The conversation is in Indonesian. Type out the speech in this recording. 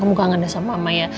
kamu kaget banget sama mama ya